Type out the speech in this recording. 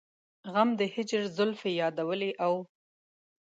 غم د هجر زلفې يادولې او